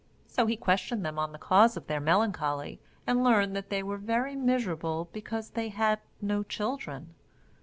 So he questioned them on the cause of their melancholy, and learned that they were very miserable because they had no children.